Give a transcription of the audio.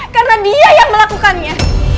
karena dia yang melakukannya